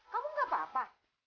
kamu gak apa apa